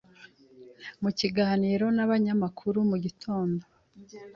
Mu kiganiro n'abanyamakuru mu gitondo